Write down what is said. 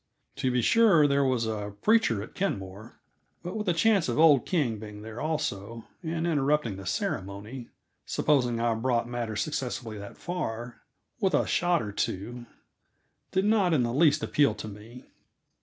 To be sure, there was a preacher at Kenmore; but with the chance of old King being there also and interrupting the ceremony supposing I brought matters successfully that far with a shot or two, did not in the least appeal to me.